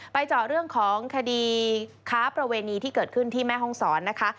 เจาะเรื่องของคดีค้าประเวณีที่เกิดขึ้นที่แม่ห้องศรนะคะ